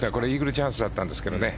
チャンスだったんですけどね。